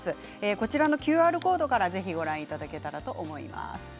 こちらのＱＲコードからぜひご覧いただけたらと思います。